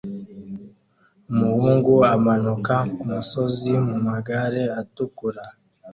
Umuhungu amanuka kumusozi mumagare atukura